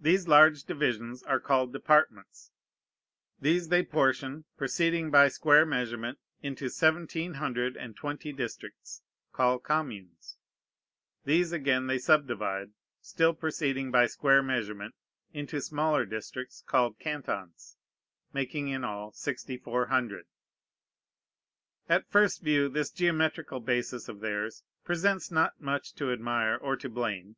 These large divisions are called Departments. These they portion, proceeding by square measurement, into seventeen hundred and twenty districts, called Communes. These again they subdivide, still proceeding by square measurement, into smaller districts, called Cantons, making in all 6,400. At first view this geometrical basis of theirs presents not much to admire or to blame.